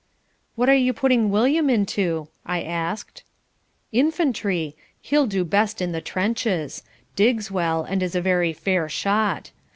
'" "What are you putting William into?" I asked "Infantry. He'll do best in the trenches, digs well and is a very fair shot.